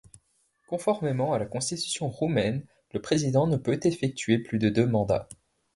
Conformément à la Constitution roumaine, le président ne peut effectuer plus de deux mandats.